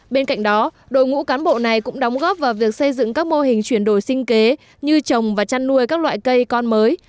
bên cạnh đó đội ngũ cán bộ này cũng đóng góp vào việc xây dựng các mô hình chuyển đổi sinh kế như trồng và chăn nuôi các loại cây con mới